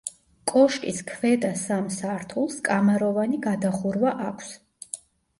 კოშკის ქვედა სამ სართულს კამაროვანი გადახურვა აქვს.